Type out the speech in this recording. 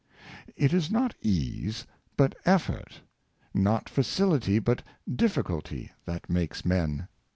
It is not ease, but effort — not facility, but difficulty, that makes men.